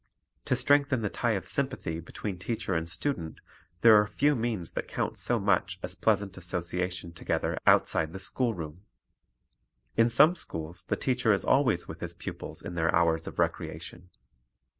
To strengthen the tie of sympathy between teacher and student there are few means that count so much as pleasant association together outside the schoolroom. In some schools the teacher is always with his pupils in their hours of recreation.